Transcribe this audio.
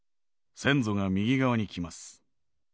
先祖が右側に来ます。